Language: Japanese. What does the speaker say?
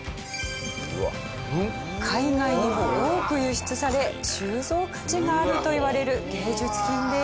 海外にも多く輸出され収蔵価値があるといわれる芸術品です。